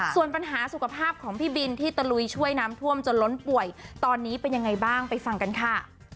ส่วนปัญหาสุขภาพของพี่บินที่ตะลุยช่วยน้ำท่วมจนล้นป่วยตอนนี้เป็นยังไงบ้างไปฟังกันค่ะ